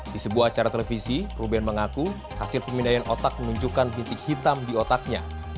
di sebuah acara televisi ruben mengaku hasil pemindaian otak menunjukkan bintik hitam di otaknya